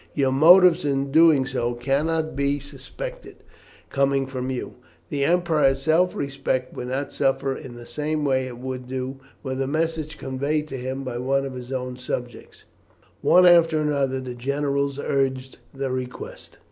Your motives in doing so cannot be suspected; coming from you, the Emperor's self respect would not suffer in the same way as it would do, were the message conveyed to him by one of his own subjects." One after another the generals urged the request.